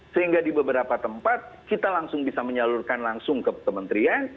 sehingga di beberapa tempat kita langsung bisa menyalurkan langsung ke kementerian